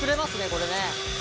これね。